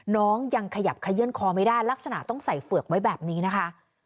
น้องยังขยับขยื่นคอไม่ได้ลักษณะต้องใส่เฝือกไว้แบบนี้นะคะ